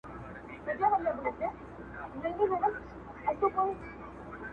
• چنار دي ماته پېغور نه راکوي,